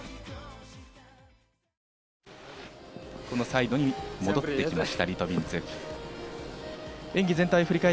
このサイドに戻ってきました、リトビンツェフ。